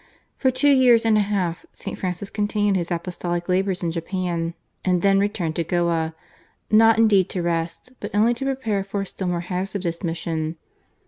For two years and a half St. Francis continued his apostolic labours in Japan, and then returned to Goa, not indeed to rest but only to prepare for a still more hazardous mission.